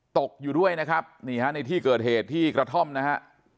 ตกอยู่ด้วยนะครับนี่ฮะในที่เกิดเหตุที่กระท่อมนะฮะ